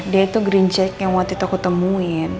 dia itu green check yang waktu itu aku temuin